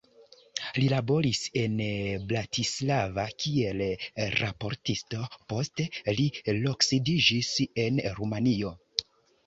Li laboris en Bratislava kiel raportisto, poste li loksidiĝis en Rumanio.